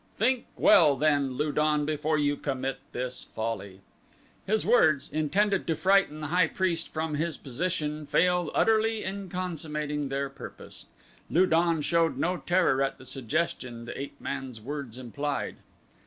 Think well, then, Lu don before you commit this folly." His words, intended to frighten the high priest from his position failed utterly in consummating their purpose. Lu don showed no terror at the suggestion the ape man's words implied.